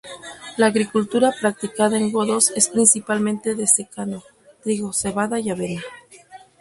La agricultura practicada en Godos es principalmente de secano, trigo, cebada y avena.